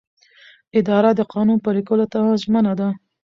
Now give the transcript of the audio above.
اداره د قانون پلي کولو ته ژمنه ده.